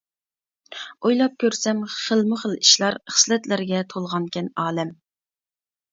ئويلاپ كۆرسەم خىلمۇ خىل ئىشلار، خىسلەتلەرگە تولغانكەن ئالەم.